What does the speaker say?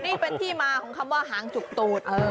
นี่เป็นที่มาของคำว่าหางจุกตูด